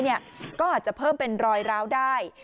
ก็อาจจะเพิ่มเป็นรอยร้าวได้